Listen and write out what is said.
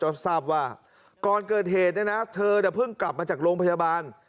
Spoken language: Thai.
ก็ทราบว่าก่อนเกิดเหตุเนี่ยนะเธอเนี่ยเพิ่งกลับมาจากโรงพยาบาล